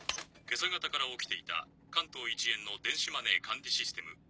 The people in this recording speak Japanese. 今朝方から起きていた関東一円の電子マネー管理システム